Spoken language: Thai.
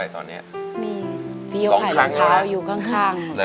มี๒ครั้งค่ะเลยครับค่ะพี่ยกขายรองเท้าอยู่ข้าง